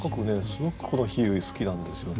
すごくこの比喩好きなんですよね。